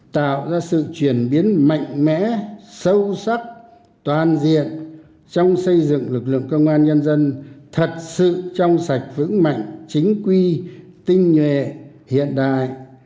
tạo ra sự chuyển biến mạnh mẽ sâu sắc toàn diện trong xây dựng lực lượng công an nhân dân thật sự trong sạch vững mạnh chính quy tinh nhuệ hiện đại